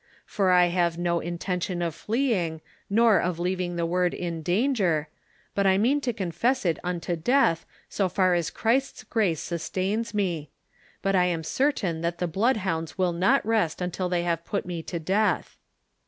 For I have no intention of fleeing, nor of leaving the Word in danger, but I mean to confess it unto death, so far as Christ's grace sustains me. But I am certain that the bloodhounds will not rest until they have put me to death."